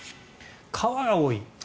川が多い。